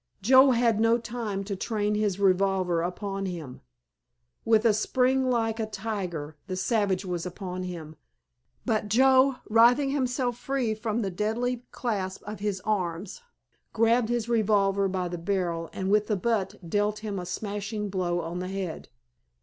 Joe had no time to train his revolver upon him. With a spring like a tiger the savage was upon him, but Joe, writhing himself free from the deadly clasp of his arms, grabbed his revolver by the barrel and with the butt dealt him a smashing blow on the head.